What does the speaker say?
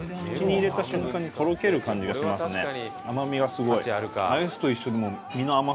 甘みがすごい。